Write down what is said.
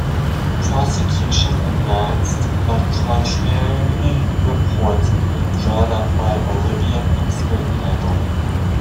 The prosecution advanced a contrary report drawn up by a Libyan expert panel.